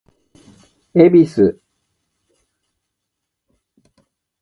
恵比寿